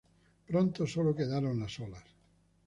Pronto solo quedaron las olas.